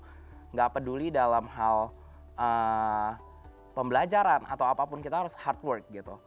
kita gak peduli dalam hal pembelajaran atau apapun kita harus hard work gitu